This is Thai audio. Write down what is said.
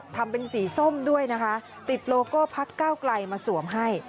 ทำเป็นสีส้มด้วยนะคะติดโลโก้พักเก้าไกลมาสวมให้